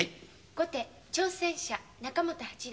後手挑戦者仲本八段。